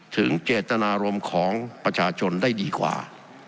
ถึงเจตนารมณ์ของประชาชนได้ดีกว่า